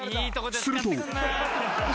［すると］